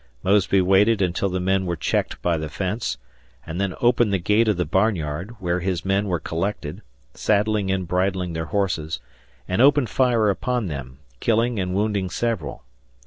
Mosby waited until the men were checked by the fence, and then opened the gate of the barnyard, where his men were collected, saddling and bridling their horses, and opened fire upon them, killing and wounding several.